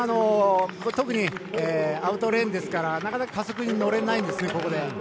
特にアウトレーンですからなかなか加速に乗れないんですね。